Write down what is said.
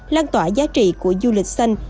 lan tỏa giá trị của du lịch xanh